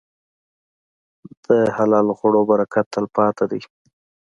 د حلال خوړو برکت تل پاتې دی.